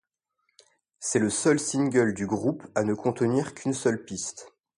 C'est le seul single du groupe à ne contenir qu'une seule piste.